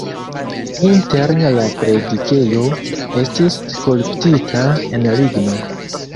Interne la predikejo estis skulptita el ligno.